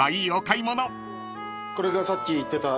これがさっき言ってた。